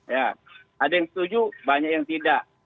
ya ada yang setuju banyak yang tidak